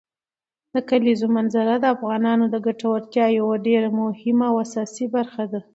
د کلیزو منظره د افغانانو د ګټورتیا یوه ډېره مهمه او اساسي برخه ده.